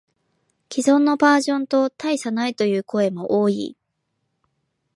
既存のバージョンと大差ないという声も多い